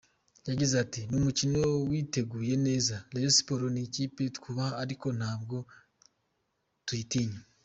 Yagize ati “Ni umukino duteguye neza, Rayon Sports ni ikipe twubaha ariko ntabwo tuyitinya.